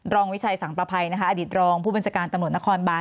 วิชัยสังประภัยนะคะอดีตรองผู้บัญชาการตำรวจนครบาน